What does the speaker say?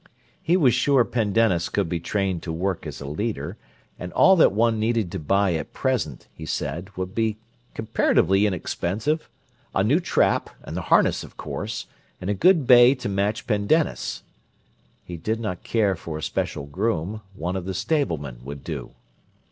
He was sure Pendennis could be trained to work as a leader; and all that one needed to buy at present, he said, would be "comparatively inexpensive—a new trap, and the harness, of course, and a good bay to match Pendennis." He did not care for a special groom; one of the stablemen would do.